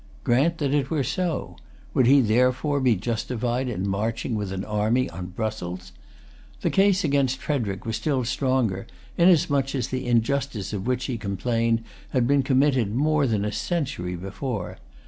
Grant that it were so. Would he, therefore, be justified in marching with an army on Brussels? The case against Frederic was still stronger, inasmuch as the injustice of which he complained had been committed more than a century before.